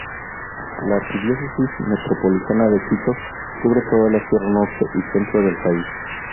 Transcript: La Arquidiócesis Metropolitana de Quito cubre toda la sierra norte y centro del país.